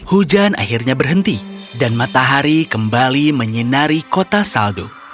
hujan akhirnya berhenti dan matahari kembali menyinari kota saldo